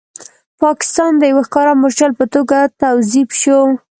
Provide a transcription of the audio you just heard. پاکستان د یو ښکاره مورچل په توګه توظیف شو.